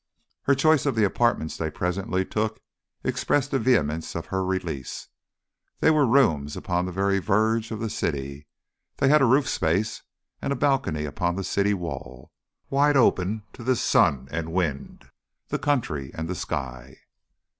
Her choice of the apartments they presently took expressed the vehemence of her release. They were rooms upon the very verge of the city; they had a roof space and a balcony upon the city wall, wide open to the sun and wind, the country and the sky.